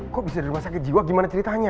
kok bisa di rumah sakit jiwa gimana ceritanya